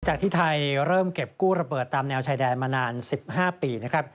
ที่ไทยเริ่มเก็บกู้ระเบิดตามแนวชายแดนมานาน๑๕ปีนะครับ